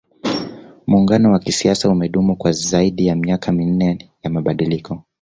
muungano wa kisiasa umedumu kwa zaidi ya miaka minne ya mabadiliko